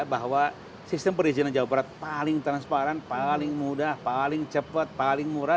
bahwa sistem perizinan jawa barat paling transparan paling mudah paling cepat paling murah